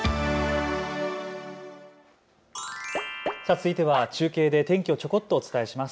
続いては中継で天気をちょこっとお伝えします。